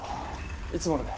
いつもので。